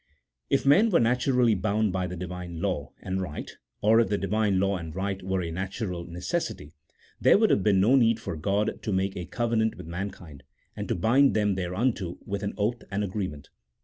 If men were naturally bound by the Divine law and right, or if the Divine law and right were a natural necessity, there would have been no need for God to make a covenant with mankind, and to bind them thereto with an oath and agreement.